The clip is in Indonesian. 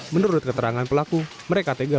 menurut keterangan pelaku mereka tega